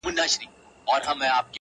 ته خپل قاتل ته ګرېوان څنګه څیرې؟!!